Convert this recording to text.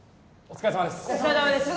お疲れさまです